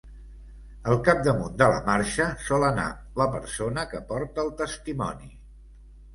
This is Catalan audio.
Al capdamunt de la marxa sol anar la persona que porta el testimoni.